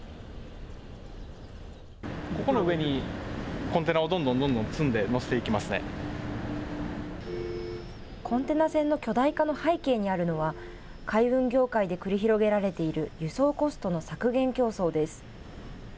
ここの上にコンテナをどんどんどんどん積んでコンテナ船の巨大化の背景にあるのは海運業界で繰り広げられている輸送コストの削減競争です。